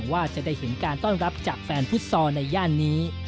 ว่าจะได้เห็นการต้อนรับจากแฟนฟุตซอลในย่านนี้